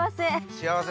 幸せ。